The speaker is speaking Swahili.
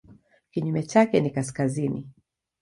Kinyume chake ni kaskazini.